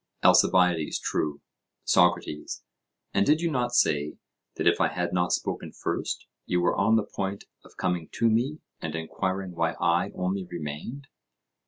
ALCIBIADES: True. SOCRATES: And did you not say, that if I had not spoken first, you were on the point of coming to me, and enquiring why I only remained?